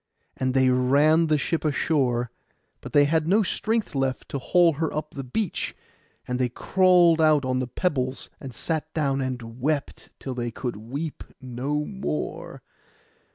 And they ran the ship ashore; but they had no strength left to haul her up the beach; and they crawled out on the pebbles, and sat down, and wept till they could weep no more.